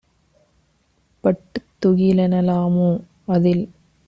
பட்டுத் துகிலென லாமோ? - அதில்